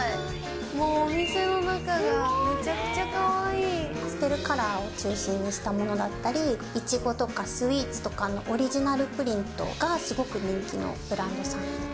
もうお店の中が、パステルカラーを中心にしたものだったり、いちごとか、スイーツのオリジナルプリントがすごく人気のブランドさんです。